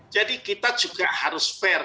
jadi kita juga harus fair